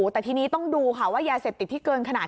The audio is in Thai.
แต่ทีนี้ต้องดูค่ะว่ายาเสพติดที่เกินขนาด